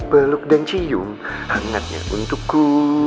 peluk dan cium hangatnya untukku